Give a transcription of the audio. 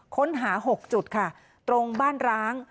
ค้นหา๖จุดค่ะตรงบ้านร้าง